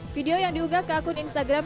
video yang diunggah ke akun instagram